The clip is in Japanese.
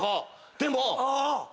でも。